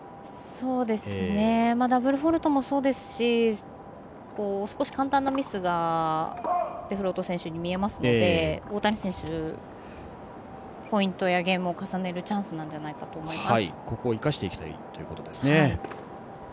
ダブルフォールトもそうですし少し簡単なミスがデフロート選手に見えますので大谷選手、ポイントやゲームを重ねるチャンスなんじゃないかと思います。